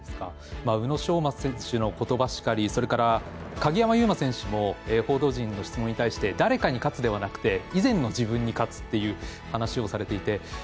宇野昌磨選手のことばしかりそれから、鍵山優真選手も報道陣の質問に対して誰かに勝つではなくて以前の自分に勝つっていう話をされていて。